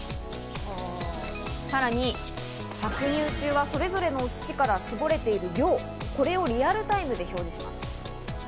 さらに搾乳中はそれぞれのお乳から絞れている量、これをリアルタイムで表示します。